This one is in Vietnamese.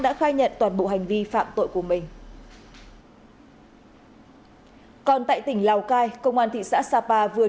đã khai nhận toàn bộ hành vi phạm tội của mình còn tại tỉnh lào cai công an thị xã sapa vừa